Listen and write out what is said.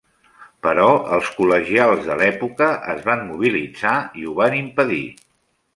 Però els col·legials de l’època es van mobilitzar i ho van impedir.